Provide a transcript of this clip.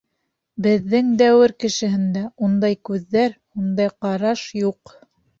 Беҙҙең дәүер кешеһендә ундай күҙҙәр, ундай ҡараш юҡ.